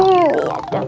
hmm ya dong